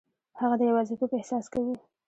هغه د یوازیتوب احساس کوي.